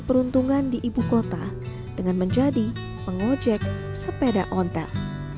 peruntungan di ibu kota dengan menjadi pengojek sepeda ontel